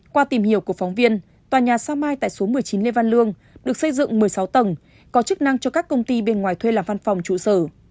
qua tìm hiểu của phóng viên tòa nhà sao mai tại số một mươi chín lê văn lương được xây dựng một mươi sáu tầng có chức năng cho các công ty bên ngoài thuê làm văn phòng trụ sở